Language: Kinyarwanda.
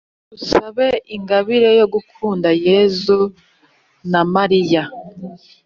dusabe ingabire yo gukunda yezu na mariya.